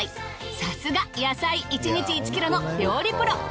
さすが野菜１日１ｋｇの料理プロ。